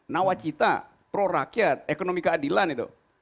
nawacita pro rakyat ekonomi keadilan itu